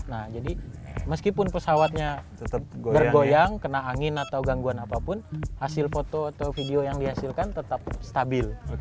nah jadi meskipun pesawatnya tetap bergoyang kena angin atau gangguan apapun hasil foto atau video yang dihasilkan tetap stabil